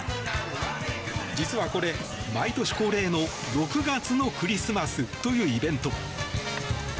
実はこれ、毎年恒例の６月のクリスマスというイベント。